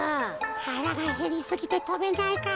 はらがへりすぎてとべないか。